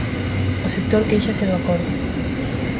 O sector quéixase do acordo.